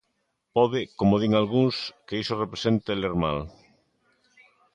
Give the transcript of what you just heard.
Pode, como din algúns, que iso represente ler mal.